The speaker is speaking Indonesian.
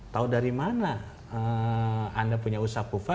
tahu dari mana anda punya usaha kufa